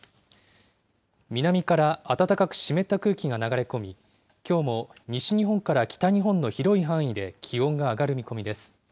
南から暖かく湿った空気が流れ込み、きょうも西日本から北日本の広い範囲で気温が上がる見込みです。